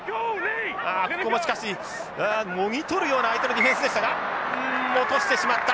あここもしかしもぎ取るような相手のディフェンスでしたがうん落としてしまった。